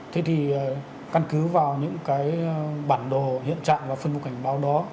thế thì căn cứ vào những cái bản đồ hiện trạng và phân vô cảnh báo đó